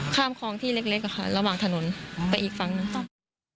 ข้ามคลองที่เล็กระหว่างถนนไปอีกฝั่งหนึ่งครับ